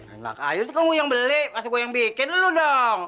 enak aja kamu yang beli kasih gue yang bikin dulu dong